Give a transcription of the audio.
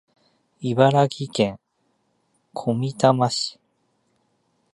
茨城県小美玉市